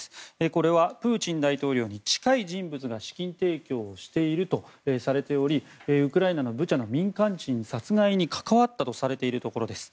これはプーチン大統領に近い人物が資金提供しているとされておりウクライナのブチャの民間人殺害に関わったとされているところです。